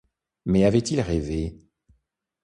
Mais avait-il rêvé?...